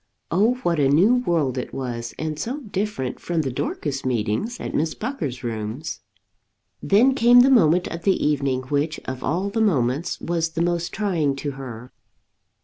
Oh, what a new world it was, and so different from the Dorcas meetings at Miss Pucker's rooms! Then came the moment of the evening which, of all the moments, was the most trying to her.